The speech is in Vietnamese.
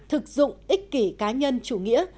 thực dụng ích kỷ cá nhân chủ nghĩa